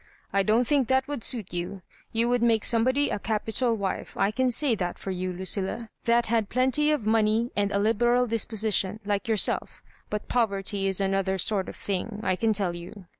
" I don't think that would suit yoa You would make somebody a capital wife, I can say that for you, Lucilla, that had plenty of money and a liberal disposition like yourself But poverty is another sort of things I can tell you.